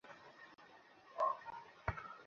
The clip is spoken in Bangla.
আর আমি তোমাকে শিরক ও অহঙ্কার থেকে বারণ করছি।